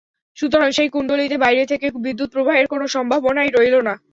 সুতরাং সেই কুণ্ডলীতে বাইরে থেকে বিদ্যুৎ–প্রবাহের কোনো সম্ভাবনাই রইল না।